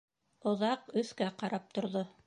Оҙаҡ өҫкә ҡарап торҙо.